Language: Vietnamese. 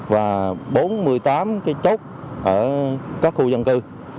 và bốn mươi tám cái chốt ở các khu dân cư